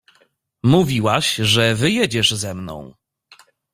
"Mówiłaś, że wyjedziesz ze mną."